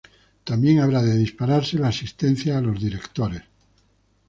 también habrá de dispararse la asistencia a los directos